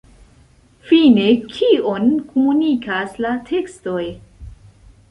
Fine, kion komunikas la tekstoj?